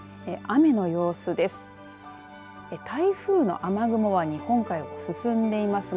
雨の様子です。